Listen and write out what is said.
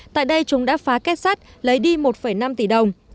tại đây chúng đã phá kết sắt lấy đi một năm tỷ đồng